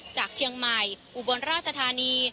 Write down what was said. จากเชียงใหม่อุบลราชธานี